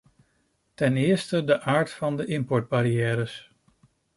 Ten eerste de aard van de importbarrières.